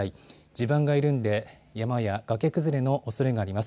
地盤が緩んで山や崖崩れのおそれがあります。